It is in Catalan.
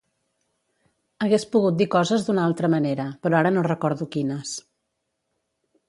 Hagués pogut dir coses d'una altra manera, però ara no recordo quines.